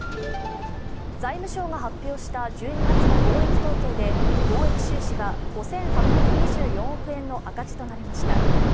財務省が発表した１２月の貿易統計で、貿易収支は５８２４億円の赤字となりました。